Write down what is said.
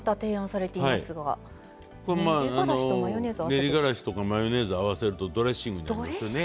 練りがらしとかマヨネーズを合わせるとドレッシングになりますよね。